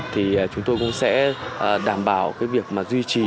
thì chúng tôi cũng sẽ đảm bảo cái việc mà duy trì